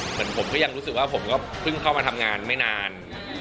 เหมือนผมก็ยังรู้สึกว่าผมก็เพิ่งเข้ามาทำงานไม่นาน